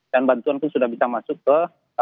dan bantuan pun sudah bisa masuk ke